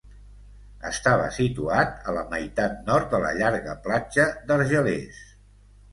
Estava situat a la meitat nord de la llarga platja d'Argelers.